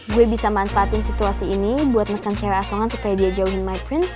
gue bisa manfaatin situasi ini buat makan cewek asongan supaya dia jauhin mcpins